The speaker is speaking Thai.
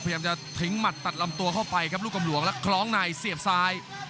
พยายามจะทิ้งหมัดตัดลำตัวเข้าไปครับลูกกำหลวงแล้วคล้องในเสียบซ้าย